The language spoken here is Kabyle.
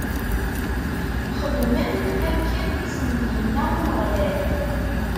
Xedmen akken i sen-d-inna Umeɣlal.